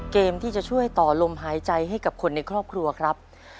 เกมที่จะช่วยต่อลมหายใจให้กับคนในครอบครัวครับ